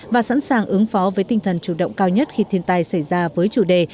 và sẵn sàng ứng phó với tinh thần chủ động cao nhất khi thiên tai xảy ra với chủ đề